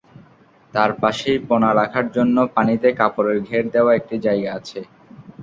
তার পাশেই পোনা রাখার জন্য পানিতে কাপড়ের ঘের দেওয়া একটি জায়গা আছে।